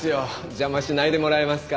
邪魔しないでもらえますか。